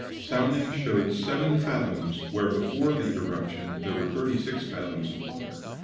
Soundings showed seven fathoms where before the eruption there were thirty six fathoms of water.